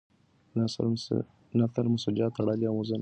نثر مسجع تړلی او موزون کلام دی.